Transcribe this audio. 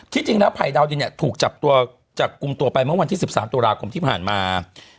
จริงแล้วภัยดาวดินเนี่ยถูกจับกลุ่มตัวไปเมื่อวันที่๑๓ตุลาคมที่ผ่านมา